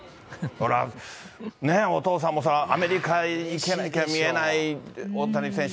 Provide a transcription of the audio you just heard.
お父さんもアメリカに行かなきゃ見れない大谷選手。